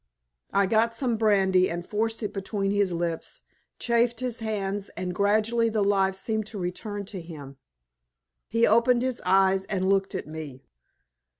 I got some brandy and forced it between his lips, chafed his hands, and gradually the life seemed to return to him. He opened his eyes and looked at me.